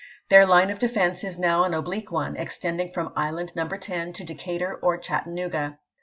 Their line of defense is now an oblique one, extending from Island No. 10 to Decatur or Chattanooga.